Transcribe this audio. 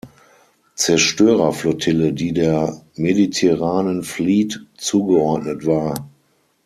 Zerstörerflottille“, die der Mediterranean Fleet zugeordnet war.